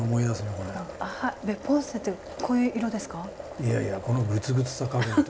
いやいやこのグツグツさ加減と。